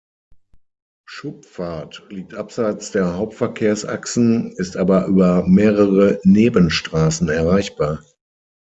Schupfart liegt abseits der Hauptverkehrsachsen, ist aber über mehrere Nebenstrassen erreichbar.